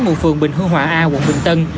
ngụ phường bình hương hòa a quận bình tân